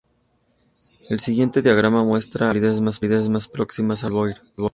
El siguiente diagrama muestra a las localidades más próximas a Fort Belvoir.